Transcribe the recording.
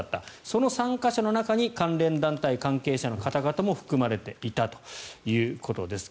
その参加者の中に関連団体関係者の方々も含まれていたということです。